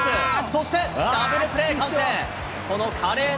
そしてダブルプレー完成。